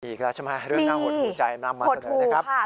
อีกแล้วใช่ไหมเรื่องน่าหดหูใจนำมาเสนอนะครับ